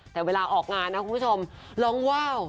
แต่เวลาออกงานนะคุณผู้ชมร้องว้าว